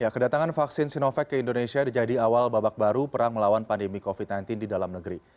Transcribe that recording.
kedatangan vaksin sinovac ke indonesia jadi awal babak baru perang melawan pandemi covid sembilan belas di dalam negeri